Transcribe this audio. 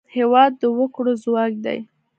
هېواد د وګړو ځواک دی.